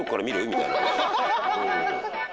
みたいな。